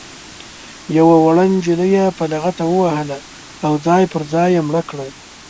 یوه وړه نجلۍ یې په لغته ووهله او ځای پر ځای یې مړه کړه.